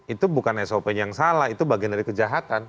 itu bukan sop nya yang salah itu bagian dari kejahatan